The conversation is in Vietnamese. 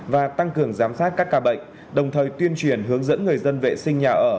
và tăng cường giám sát các ca bệnh đồng thời tuyên truyền hướng dẫn người dân vệ sinh nhà ở